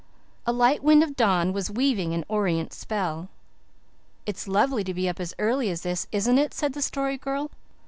A light wind of dawn was weaving an orient spell. "It's lovely to be up as early as this, isn't it?" said the Story Girl.